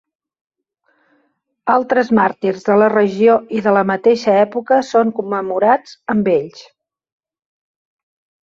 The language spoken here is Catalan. Altres màrtirs de la regió i de la mateixa època són commemorats amb ells.